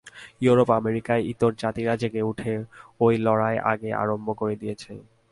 ইউরোপ-আমেরিকায় ইতরজাতিরা জেগে উঠে ঐ লড়াই আগে আরম্ভ করে দিয়েছে।